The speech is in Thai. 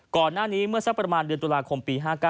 ก่อนหน้านี้เมื่อสักประมาณเดือนตุลาคมปี๕๙